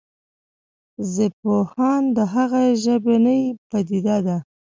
ژبپوهان د هغه ژبنې پديده